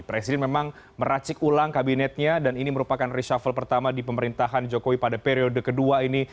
presiden memang meracik ulang kabinetnya dan ini merupakan reshuffle pertama di pemerintahan jokowi pada periode kedua ini